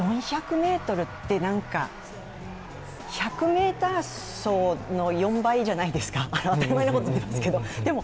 ４００ｍって１００ｍ走の４倍じゃないですか、当たり前ですけれども。